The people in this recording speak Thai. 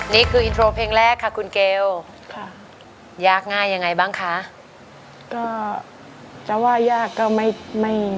นี่คืออินโทรเพลงแรกค่ะคุณเกลค่ะยากง่ายยังไงบ้างคะก็จะว่ายากก็ไม่ไม่